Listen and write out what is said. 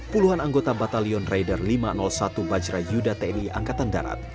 puluhan anggota batalion raider lima ratus satu bajra yuda tni angkatan darat